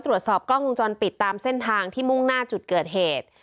ตรวจสอบกล้องวงจรปิดตามเส้นทางที่มุ่งหน้าจุดเกิดเหตุ